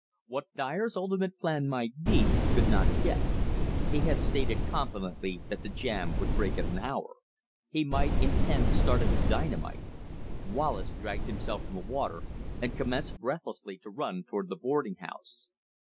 What Dyer's ultimate plan might be, he could not guess. He had stated confidently that the jam would break "in an hour." He might intend to start it with dynamite. Wallace dragged himself from the water and commenced breathlessly to run toward the boarding house.